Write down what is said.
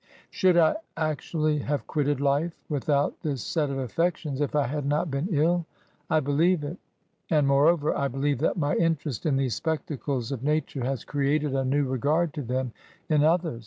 Should I actually have quitted life without this set of affections, if I had not been ill ? I believe it. And, moreover, I believe that my interest in these spectacles of Nature has created a new regard to them in others.